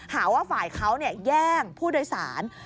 หาว่าฝ่ายเขาแย่งผู้โดยสาร